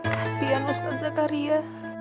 kasian loh pak zakaria